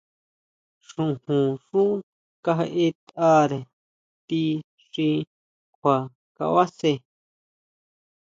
Xojonxú kajeʼetʼare ti xi kjua kabasjé.